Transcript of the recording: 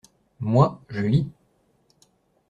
Moi, je lis.